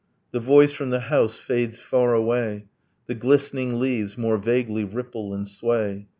The voice from the house fades far away, The glistening leaves more vaguely ripple and sway